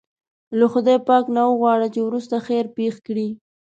له خدای پاک نه وغواړه چې وروسته خیر پېښ کړي.